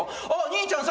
「兄ちゃん